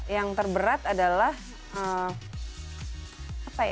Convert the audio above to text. yang terberat adalah apa ya